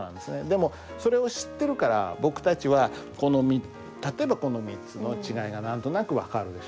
でもそれを知ってるから僕たちはこの例えばこの３つの違いが何となく分かるでしょ。